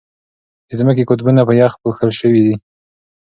د ځمکې قطبونه په یخ پوښل شوي دي.